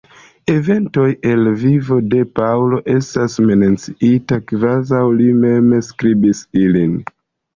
Eventoj el la vivo de Paŭlo estas menciitaj kvazaŭ li mem skribis ilin.